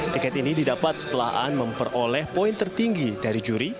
tiket ini didapat setelahan memperoleh poin tertinggi dari juri